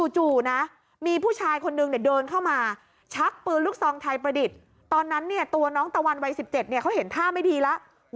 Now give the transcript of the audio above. จู่นะมีผู้ชายคนนึงเดินเข้ามาชักปืนลูกซองไทยประดิษฐ์ตอนนั้นเนี่ยตัวน้องตะวันวัย๑๗เขาเห็นท่าไม่ดีแล้ว